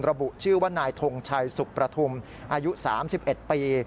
ระบุชื่อว่านายทงชัยสุขประทุมอายุ๓๑ปี